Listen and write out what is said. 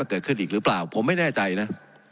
เกิดขึ้นอีกหรือเปล่าผมไม่แน่ใจนะ